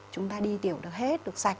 chúng ta đi tiểu được hết được sạch